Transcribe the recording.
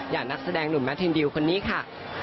นักแสดงหนุ่มแมทเทนดิวคนนี้ค่ะ